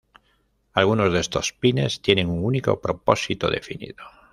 Algunos de estos pines tienen un único propósito definido.